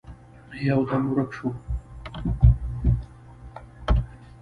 يودم ورک شو.